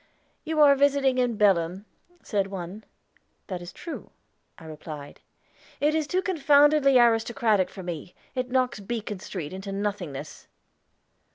"You are visiting in Belem," said one. "That is true," I replied. "It is too confoundedly aristocratic for me; it knocks Beacon Street into nothingness."